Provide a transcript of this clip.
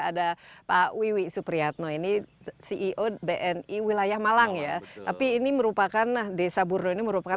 ada pak wiwi supriyatno ini ceo bni wilayah malang ya tapi ini merupakan desa burdo ini merupakan